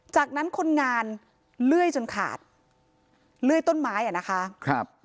จากนั้นคนงานเลื่อยจนขาดเลื่อยต้นไม้อ่ะนะคะครับ